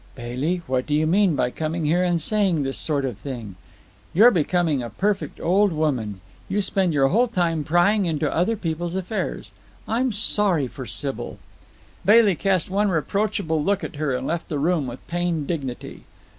"Bailey, what do you mean by coming here and saying this sort of thing? You're becoming a perfect old woman. You spend your whole time prying into other people's affairs. I'm sorry for Sybil." Bailey cast one reproachable look at her and left the room with pained dignity.